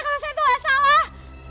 kalau saya itu enggak salah